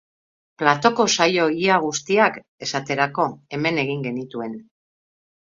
Platoko saio ia guztiak, esaterako, hemen egin genituen.